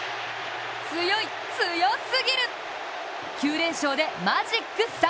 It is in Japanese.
強い、強すぎる、９連勝でマジック３。